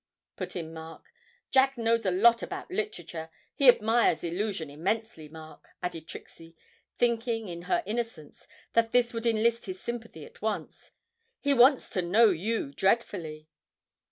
put in Mark. 'Jack knows a lot about literature; he admires "Illusion" immensely, Mark,' added Trixie, thinking in her innocence that this would enlist his sympathy at once. 'He wants to know you dreadfully.'